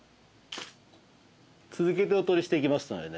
続けてお撮りしていきますのでね。